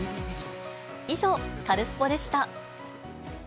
以上、カルスポっ！でした。